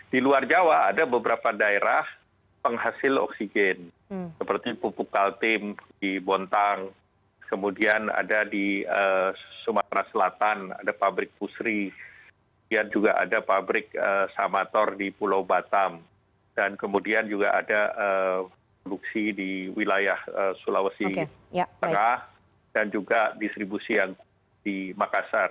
di luar jawa ada beberapa daerah penghasil oksigen seperti pupuk kaltim di bontang kemudian ada di sumatera selatan ada pabrik pusri kemudian juga ada pabrik samator di pulau batam dan kemudian juga ada produksi di wilayah sulawesi tengah dan juga distribusi yang di makassar